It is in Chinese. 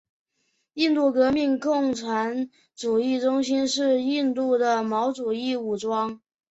印度革命共产主义中心是印度的毛主义武装。